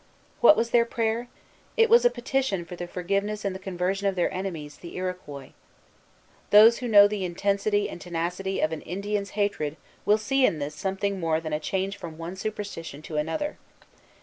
What was their prayer? It was a petition for the forgiveness and the conversion of their enemies, the Iroquois. Those who know the intensity and tenacity of an Indian's hatred will see in this something more than a change from one superstition to another.